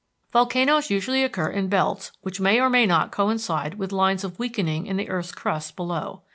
Volcanoes usually occur in belts which may or may not coincide with lines of weakening in the earth's crust below.